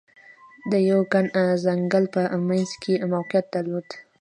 د یوه ګڼ ځنګل په منځ کې موقعیت درلود.